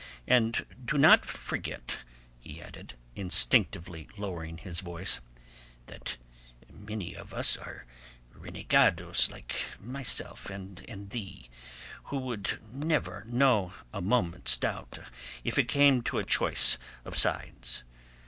And do not forget," he added, instinctively lowering his voice, "that many of us are renegadoes like myself and thee, who would never know a moment's doubt if it came to a choice of sides.